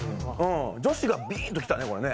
女子がビーンときたね。